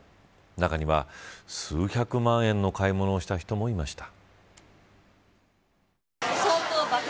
中には数百万円の買い物をした人もいました。